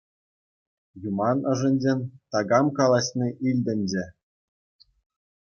Юман ӑшӗнчен такам калаҫни илтӗнчӗ.